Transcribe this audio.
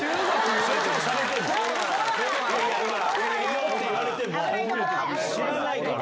「よっ！」て言われても知らないから。